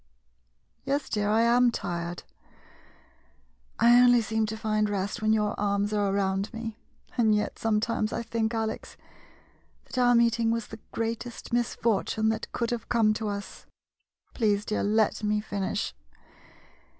Yes, dear, I am tired. I only seem to find rest when your arms are around me — and yet, sometimes I think, Alex, that our meet ing was the greatest misfortune that could have come to us. Please, dear, let me finish.